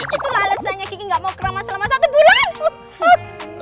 itulah alasannya kiki gak mau keramas selama satu bulan